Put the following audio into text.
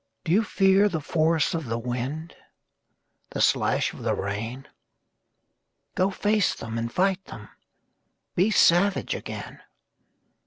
DO you fear the force of the wind, The slash of the rain? Go face them and fight them, Be savage again.